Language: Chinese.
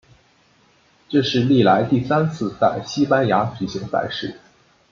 这是历来第三次在西班牙举行赛事。